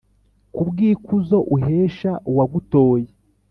kubw’ikuzo uhesha uwagutoye